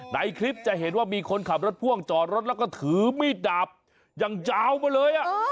ในคลิปจะเห็นว่ามีคนขับรถพ่วงจอดรถแล้วก็ถือมีดดาบอย่างยาวมาเลย